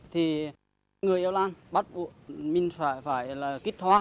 thì người yêu lan bắt buộc mình phải kích hoa